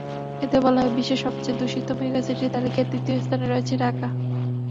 এতে বলা হয়, বিশ্বের সবচেয়ে দূষিত মেগাসিটির তালিকায় তৃতীয় স্থানে রয়েছে ঢাকা।